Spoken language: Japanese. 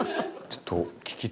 ちょっと。